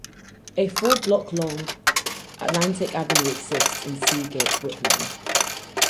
A four-block-long Atlantic Avenue exists in Sea Gate, Brooklyn.